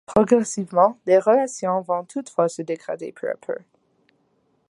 Progressivement, les relations vont toutefois se dégrader peu à peu.